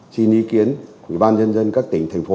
xin ý kiến quỹ ban dân dân các tỉnh thành phố